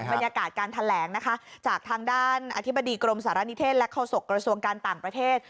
บรรยากาศการแถลงนะคะจากทางด้านอธิบดีกรมสารณิเทศและโฆษกระทรวงการต่างประเทศ